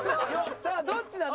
さあどっちだ？